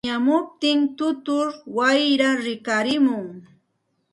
tamyamuptin tutur wayraa rikarimun.